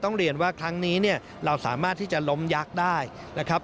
เรียนว่าครั้งนี้เนี่ยเราสามารถที่จะล้มยักษ์ได้นะครับ